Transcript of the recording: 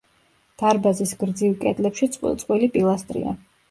დარბაზის გრძივ კედლებში წყვილ-წყვილი პილასტრია.